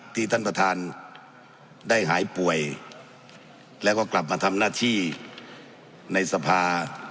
ท่านประธานได้หายป่วยแล้วก็กลับมาทำหน้าที่ในสภา